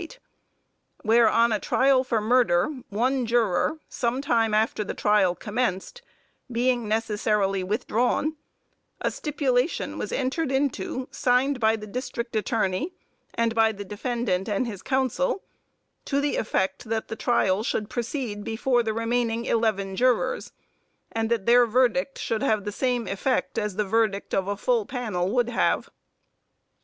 128_, where, on a trial for murder, one juror, some time after the trial commenced, being necessarily withdrawn, a stipulation was entered into, signed by the District Attorney, and by the defendant and his counsel, to the effect that the trial should proceed before the remaining eleven jurors, and that their verdict should have the same effect as the verdict of a full panel would have.